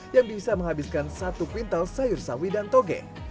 yang bisa menghabiskan satu kuintal sayur sawi dan toge